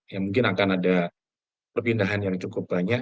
ya mungkin akan ada perpindahan yang cukup banyak